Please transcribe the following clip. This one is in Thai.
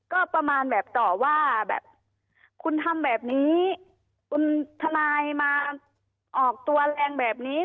ก็ประมาณแบบต่อว่าแบบคุณทำแบบนี้คุณทนายมาออกตัวแรงแบบนี้